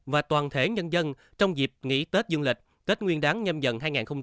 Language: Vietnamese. và toàn thể nhân dân trong dịp nghỉ tết dương lịch tết nguyên đáng nhân dân hai nghìn hai mươi hai